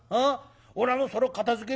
おらもそれを片づけ